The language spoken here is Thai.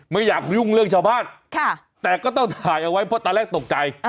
ไม่อยากยุ่งเรื่องชาวบ้านแต่ก็ต้องถ่ายเอาไว้เพราะตอนแรกตกใจ